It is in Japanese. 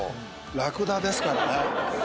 ラクダですからね。